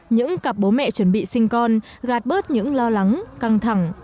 những cặp bố mẹ chuẩn bị sinh con gạt bớt những lo lắng căng thẳng